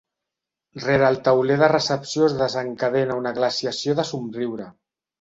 Rere el tauler de recepció es desencadena una glaciació de somriure.